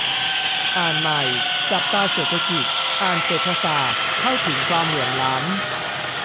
อ่านใหม่ : จับตาเศรษฐกิจ - อ่านเศรษฐศาสตร์ - เข้าถึงความเหลื่อมล้ำ